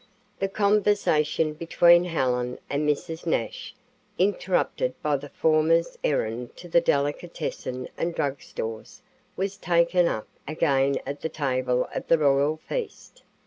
The conversation between Helen and Mrs. Nash, interrupted by the former's errand to the delicatessen and drug stores, was taken up again at the table of the royal feast.